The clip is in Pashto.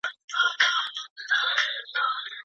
د نړیوالو اړیکو په بهیر کي اساسي حقوق نه پیژندل کیږي.